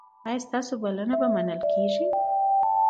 ایا ستاسو بلنه به منل کیږي؟